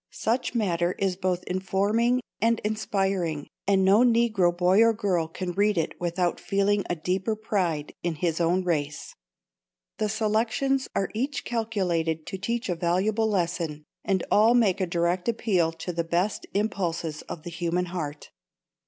Such matter is both informing and inspiring, and no Negro boy or girl can read it without feeling a deeper pride in his own race. The selections are each calculated to teach a valuable lesson, and all make a direct appeal to the best impulses of the human heart.